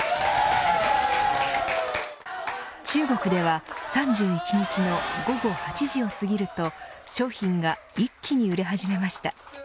中国では３１日の午後８時をすぎると商品が一気に売れ始めました。